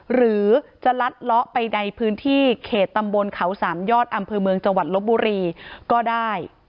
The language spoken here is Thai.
หรือจะลัดเลาะไปในพื้นที่เขตตำบลเขาสามยอดอำเภอเมืองจังหวัดลบบุรีก็ได้